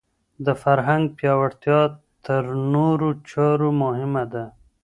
د فرهنګ پياوړتيا تر نورو چارو مهمه ده.